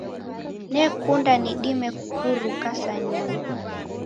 Nekunda nidime kupuruka sa nyonyi